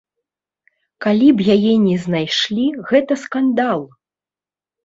Калі б яе не знайшлі, гэта скандал!